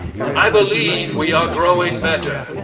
I believe, we are growing better.